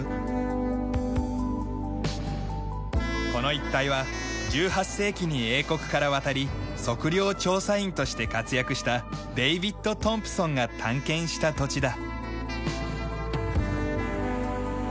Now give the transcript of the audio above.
この一帯は１８世紀に英国から渡り測量調査員として活躍したデイヴィッド・トンプソンが探検した土地だ。